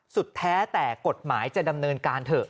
สุดแท้แต่กฎหมายจะดำเนินการเถอะ